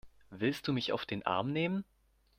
Willst du mich auf den Arm nehmen?